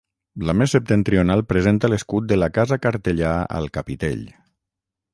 La més septentrional presenta l'escut de la Casa Cartellà al capitell.